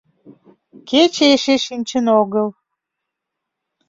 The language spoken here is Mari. Кече эше шинчын огыл.